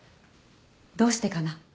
どうしてかな？